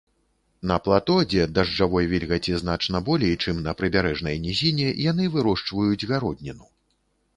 На плато, дзе дажджавой вільгаці значна болей, чым на прыбярэжнай нізіне, яны вырошчваюць гародніну.